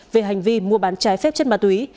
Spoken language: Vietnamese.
về hành vi mua bán trái phép chất ma túy